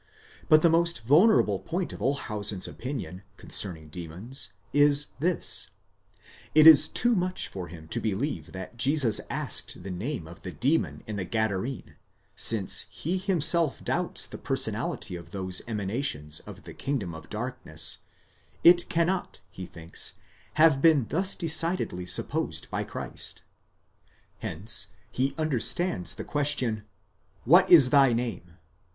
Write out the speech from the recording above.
But the most vulnerable point of Olshausen's opinion con cerning demons is this: it is too much for him to believe that Jesus asked the name of the demon in the Gadarene ; since he himself doubts the person ality of those emanations of the kingdom of darkness, it cannot, he thinks, have been thus decidedly supposed by Christ ;—hence he understands the question, What ts thy name